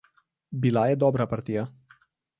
Bila je dobra partija.